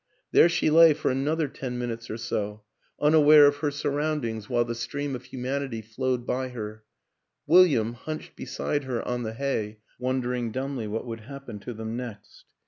There she lay for another ten minutes or so, unaware of her sur WILLIAM AN ENGLISHMAN 161 roundings while the stream of humanity flowed by her William, hunched beside her on the hay, wondering dumbly what would happen to them next.